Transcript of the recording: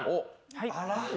はい。